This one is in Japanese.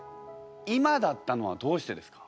今だったのはどうしてですか？